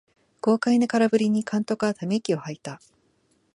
豪快な空振りに監督はため息をはいた